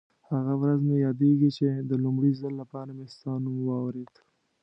هغه ورځ مې یادېږي چې د لومړي ځل لپاره مې ستا نوم واورېد.